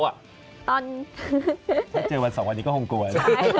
ถ้าเจอวันสองวันนี้ก็คงกลัวนะ